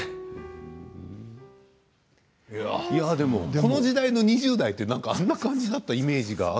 この時代の２０代ってあんな感じだったイメージが。